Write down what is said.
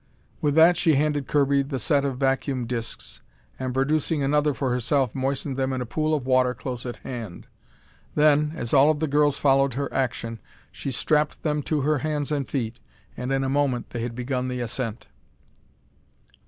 With that she handed Kirby the set of vacuum discs, and producing another for herself, moistened them in a pool of water close at hand. Then, as all of the girls followed her action, she strapped them to her hands and feet, and in a moment they had begun the ascent.